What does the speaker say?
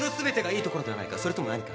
それとも何か？